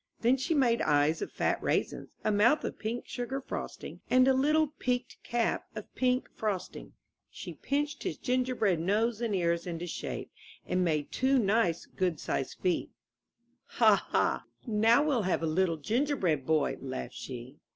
Then she made eyes of fat raisins, a mouth of pink sugar frosting, and a little peaked cap of pink frosting. She pinched his gingerbread nose and ears into shape, and made two nice, good sized feet. 121 MY BOOK HOUSE '*Hah! Hah! Now we'll have a little Gingerbread Boy," laughed she.